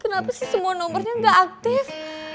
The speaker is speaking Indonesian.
kenapa sih semua nomernya ga aktif